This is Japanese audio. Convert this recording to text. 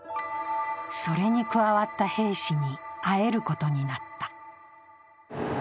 それに加わった兵士に会えることになった。